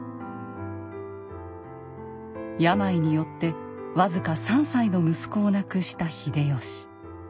病によって僅か３歳の息子を亡くした秀吉。